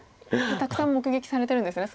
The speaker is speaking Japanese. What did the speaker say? たくさん目撃されてるんですね